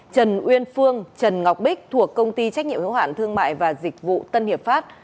trần uyên phương trần ngọc bích thuộc công ty trách nhiệm hiếu hạn thương mại và dịch vụ tân hiệp pháp